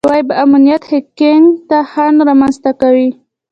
د ویب امنیت هیکینګ ته خنډ رامنځته کوي.